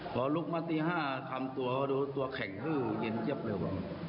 พอลุกมาตีห้าทำตัวดูตัวแข็งขึ้นเย็นเจ็บเร็ว